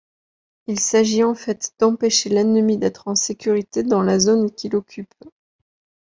Il s'agit en fait d'empêcher l'ennemi d'être en sécurité dans la zone qu'il occupe.